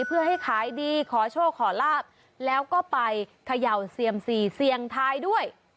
เพื่อให้ขายดีขอโชคขอลาบแล้วก็ไปเขย่าเซียมซีเสี่ยงทายด้วย